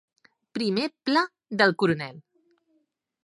Primer pla del CORONEL.